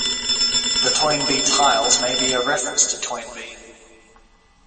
The Toynbee tiles may be a reference to Toynbee.